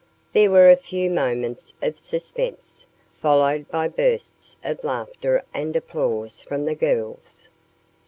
There were a few moments of suspense, followed by bursts of laughter and applause from the girls.